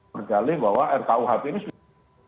bergali bahwa rkuh ini